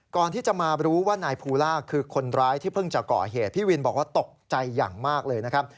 ก่อนที่จะมารู้ว่านายภูล่าคือคนร้ายที่เพิ่งจะก่อเหตุพี่วินบอกว่าตกใจอย่างมากเลยนะครับ